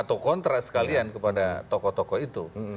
atau kontra sekalian kepada tokoh tokoh itu